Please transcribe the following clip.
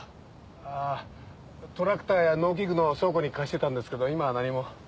あぁトラクターや農機具の倉庫に貸してたんですけど今は何も。